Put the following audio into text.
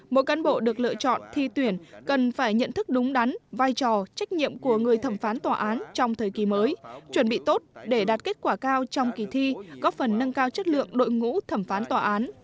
mỗi cán bộ được lựa chọn thi tuyển cần phải nhận thức đúng đắn vai trò trách nhiệm của người thẩm phán tòa án trong thời kỳ mới chuẩn bị tốt để đạt kết quả cao trong kỳ thi góp phần nâng cao chất lượng đội ngũ thẩm phán tòa án